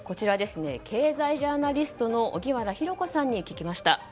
経済ジャーナリストの荻原博子さんに聞きました。